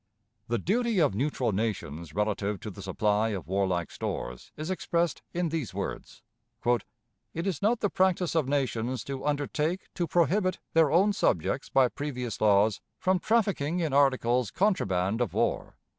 The duty of neutral nations relative to the supply of warlike stores is expressed in these words: "It is not the practice of nations to undertake to prohibit their own subjects by previous laws from trafficking in articles contraband of war.